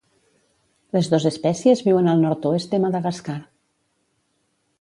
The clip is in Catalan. Les dos espècies viuen al nord-oest de Madagascar.